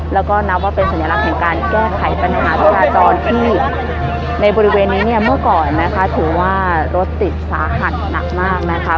แล้วก็นับว่าเป็นสัญลักษณ์แห่งการแก้ไขปัญหาจราจรที่ในบริเวณนี้เนี่ยเมื่อก่อนนะคะถือว่ารถติดสาหัสหนักมากนะคะ